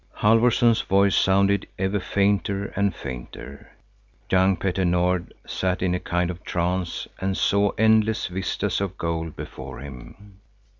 Halfvorson's voice sounded ever fainter and fainter. Young Petter Nord sat in a kind of trance and saw endless vistas of gold before him.